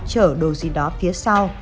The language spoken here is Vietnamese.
chở đồ gì đó phía sau